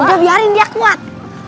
udah biarin dia kuat